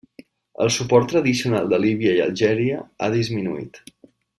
El suport tradicional de Líbia i Algèria ha disminuït.